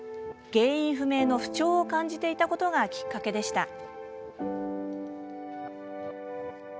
原因不明の不調を感じていたことがきっかけでした。